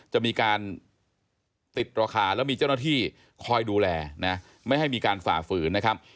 จะมีการติดราคาแล้วมีเจ้าหน้าที่คอยดูแลนะไม่ให้มีการฝ่าฝืนนะครับ